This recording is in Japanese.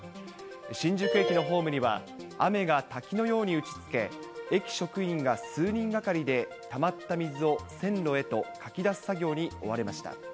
新宿駅のホームには、雨が滝のように打ちつけ、駅職員が数人がかりでたまった水を線路へとかき出す作業に追われました。